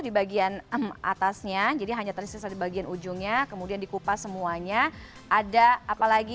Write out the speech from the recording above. di bagian atasnya jadi hanya tersebut bagian ujungnya kemudian dikupas semuanya ada apa lagi